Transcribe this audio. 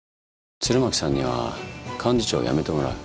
鶴巻さんには幹事長を辞めてもらう。